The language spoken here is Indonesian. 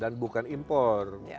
dan bukan impor